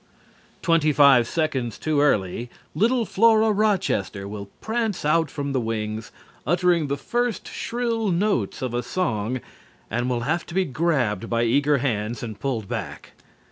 Twenty five seconds too early little Flora Rochester will prance out from the wings, uttering the first shrill notes of a song, and will have to be grabbed by eager hands and pulled back.